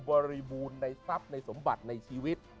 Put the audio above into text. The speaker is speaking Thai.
บริบุลในสำบัดในชีวิต